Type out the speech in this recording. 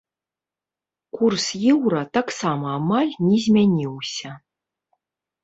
Курс еўра таксама амаль не змяніўся.